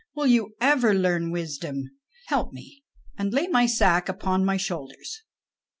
will you ever learn wisdom? Help me, and lay my sack upon my shoulders."